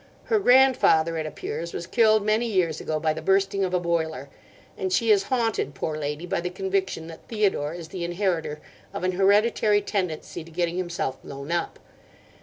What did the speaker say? Her grandfather, it appears, was killed many years ago by the bursting of a boiler; and she is haunted, poor lady, by the conviction that Theodore is the inheritor of an hereditary tendency to getting himself blown up.